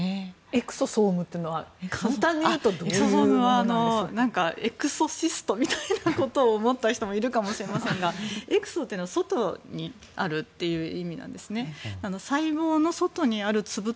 エクソソームというのは簡単にいうとエクソソームというのはエクソシストみたいなことを思った人もいるかもしれませんがエクソというのは外にあるという意味なんです。